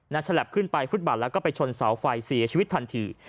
ฉลับขึ้นไปฟุตบาทแล้วก็ไปชนเสาไฟเสียชีวิตทันที